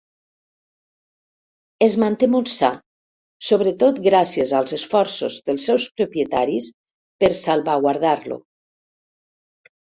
Es manté molt sa, sobretot gràcies als esforços dels seus propietaris per salvaguardar-lo.